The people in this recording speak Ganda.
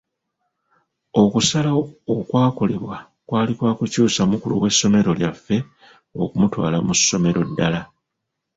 Okusalawo okwakolebwa kwali kwa kukyusa mukulu w'essomero lyaffe okumutwala mu ssomero ddala.